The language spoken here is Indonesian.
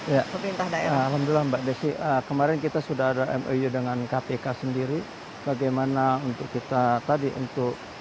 ya pemerintah daerah alhamdulillah mbak desi kemarin kita sudah ada mou dengan kpk sendiri bagaimana untuk kita tadi untuk